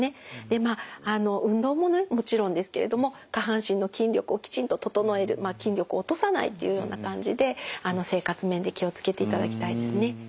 まあ運動もねもちろんですけれども下半身の筋力をきちんと整える筋力を落とさないっていうような感じで生活面で気を付けていただきたいですね。